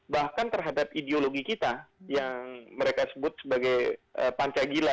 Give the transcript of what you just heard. bahkan terhadap ideologi kita yang mereka sebut sebagai pancasila